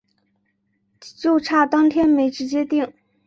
就差当天没直接订